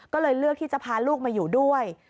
ก็เลยเลือกที่จะพาลูกมาอยู่ด้วย